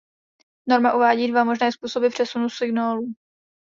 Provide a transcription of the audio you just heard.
Norma uvádí dva možné způsoby přenosu signálu.